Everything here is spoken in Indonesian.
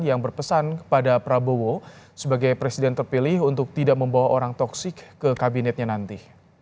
yang berpesan kepada prabowo sebagai presiden terpilih untuk tidak membawa orang toksik ke kabinetnya nanti